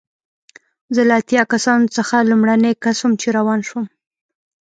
زه له اتیا کسانو څخه لومړنی کس وم چې روان شوم.